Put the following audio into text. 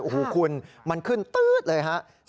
โอ้โหคุณมันขึ้นตื๊ดเลยครับ